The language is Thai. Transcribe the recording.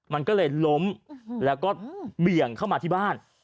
มันก็เลยล้มแล้วก็เบี่ยงเข้ามาที่บ้าน